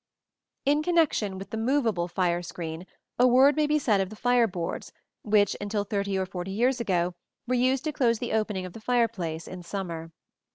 ] In connection with the movable fire screen, a word may be said of the fire boards which, until thirty or forty years ago, were used to close the opening of the fireplace in summer.